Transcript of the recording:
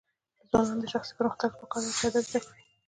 د ځوانانو د شخصي پرمختګ لپاره پکار ده چې ادب زده کړي.